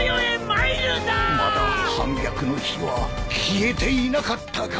まだ反逆の火は消えていなかったか